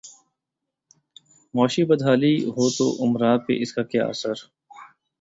معاشی بدحالی ہو توامراء پہ اس کا کیا اثر؟